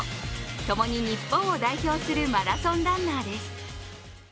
ともに日本を代表するマラソンランナーです。